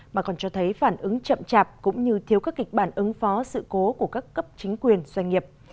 mà còn cho thấy phản ứng chậm chạp cũng như thiếu các kịch bản ứng phó sự cố của các cấp chính quyền doanh nghiệp